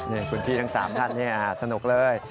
นี่คุณพี่ทั้ง๓ท่านสนุกเลย